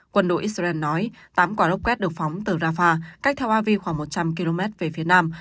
quân đội israel nói tám quả rocket được phóng từ rafah cách theo avi khoảng một trăm linh km về phía nam